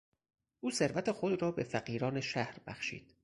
او ثروت خود را به فقیران شهر بخشید.